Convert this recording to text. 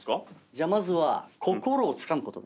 じゃあまずは心をつかむことだな。